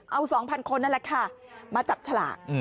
เอา๒๐๐คนนั่นแหละค่ะมาจับฉลาก